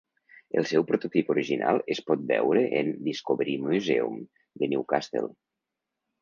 El seu prototip original es pot veure en Discovery Museum de Newcastle